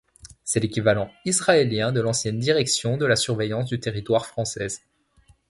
C’est l’équivalent israélien de l'ancienne direction de la surveillance du territoire française.